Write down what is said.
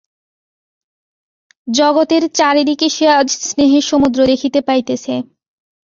জগতের চারিদিকে সে আজ স্নেহের সমুদ্র দেখিতে পাইতেছে।